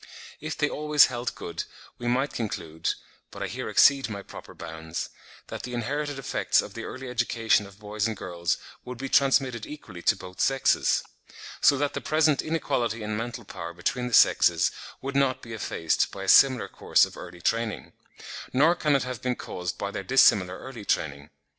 If they always held good, we might conclude (but I here exceed my proper bounds) that the inherited effects of the early education of boys and girls would be transmitted equally to both sexes; so that the present inequality in mental power between the sexes would not be effaced by a similar course of early training; nor can it have been caused by their dissimilar early training.